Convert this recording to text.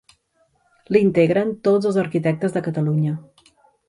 L'integren tots els arquitectes de Catalunya.